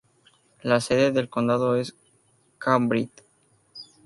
La sede del condado es Cambridge.